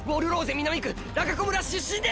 南区ラガコ村出身です。